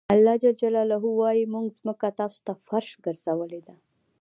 الله ج وایي موږ ځمکه تاسو ته فرش ګرځولې ده.